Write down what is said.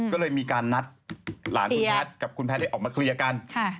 ก็เลยมีการนัดหลานคุณแพทย์กับคุณแพทย์ได้ออกมาเคลียร์กัน